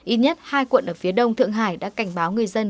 ít nhất hai quận ở phía đông thượng hải đã cảnh báo người dân